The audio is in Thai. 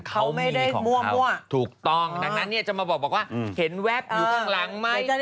เขาไม่ได้มั่วถูกต้องดังนั้นเนี่ยจะมาบอกว่าเห็นแวบอยู่ข้างหลังไหม